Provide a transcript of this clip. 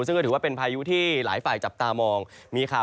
ซึ่งก็ถือว่าเป็นพายุที่หลายฝ่ายจับตามองมีข่าว